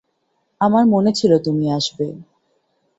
আমার মনে ছিল তুমি আসবে।